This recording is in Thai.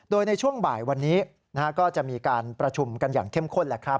โดยในช่วงบ่ายวันนี้ก็จะมีการประชุมกันอย่างเข้มข้นแหละครับ